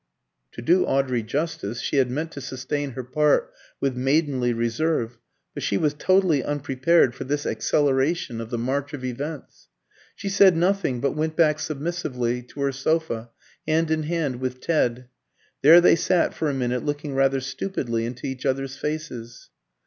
To do Audrey justice, she had meant to sustain her part with maidenly reserve, but she was totally unprepared for this acceleration of the march of events. She said nothing, but went back submissively to her sofa, hand in hand with Ted. There they sat for a minute looking rather stupidly into each other's faces.